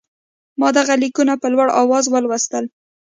ما دغه لیکونه په لوړ آواز ولوستل.